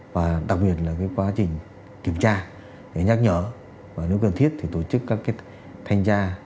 và đặc biệt là cái quá trình kiểm tra để nhắc nhở và nếu cần thiết thì tổ chức các cái thanh gia